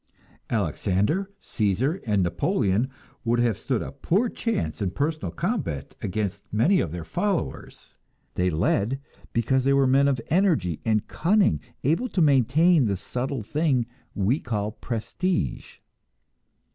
Alexander, Cæsar and Napoleon would have stood a poor chance in personal combat against many of their followers. They led, because they were men of energy and cunning, able to maintain the subtle thing we call prestige.